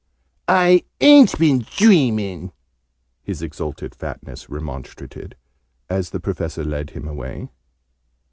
"I ain't been dreaming!" his Exalted Fatness remonstrated, as the Professor led him away.